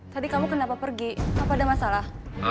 tadi kamu kenapa pergi apa ada masalah